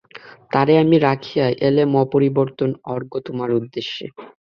তারে আমি রাখিয়া এলেম অপরিবর্তন অর্ঘ্য তোমার উদ্দেশে।